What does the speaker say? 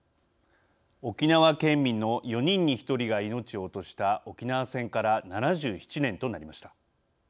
沖縄県民の４人に１人が命を落とした沖縄戦から７７年となりました。